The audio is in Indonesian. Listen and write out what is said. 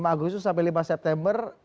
dua puluh lima agustus sampai lima september